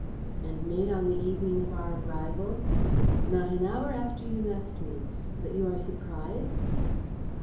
"And made on the evening of our arrival?" "Not an hour after you left me. But you are surprised?"